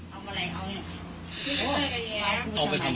เอาไปทำอะไรหรอครับ